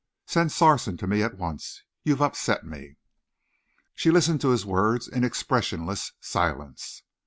Send Sarson to me at once. You've upset me!" She listened to his words in expressionless silence.